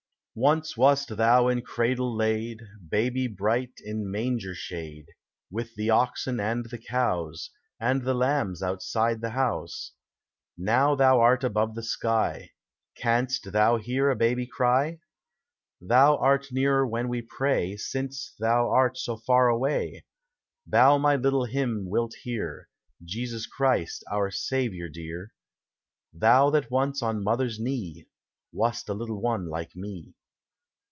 Once wast thou in cradle laid, Ha by bright in manger shade. With the oxen and the cows. FOR CHILDREN. 121 And the lambs outside the house : Now thou art above the sky : Canst thou hear a baby cry? Thou art nearer when we pray, Since thou art so far away; Thou my little hymn wilt hear, Jesus Christ, our Saviour dear, Thou that once, on mother's knee, Wast a little one like me.